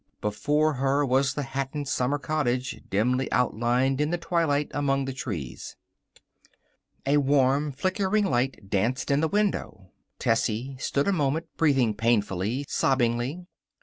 Before her was the Hatton summer cottage, dimly outlined in the twilight among the trees. A warm, flickering light danced in the window. Tessie stood a moment, breathing painfully, sobbingly.